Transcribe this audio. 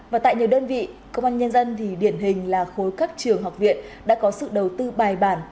và tại nhiều đơn vị công an nhân dân thì điển hình là khối các trường học viện đã có sự đầu tư bài bản